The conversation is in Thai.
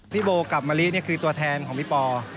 โบกับมะลินี่คือตัวแทนของพี่ปอ